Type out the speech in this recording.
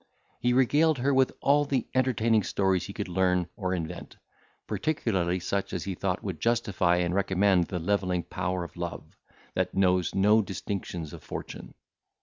He regaled her with all the entertaining stories he could learn or invent, particularly such as he thought would justify and recommend the levelling power of love, that knows no distinctions of fortune.